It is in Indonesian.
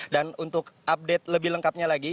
dan untuk update lebih lengkapnya lagi